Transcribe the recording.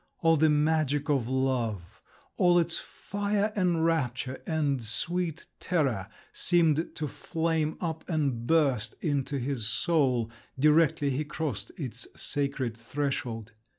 All the magic of love, all its fire and rapture and sweet terror, seemed to flame up and burst into his soul, directly he crossed its sacred threshold….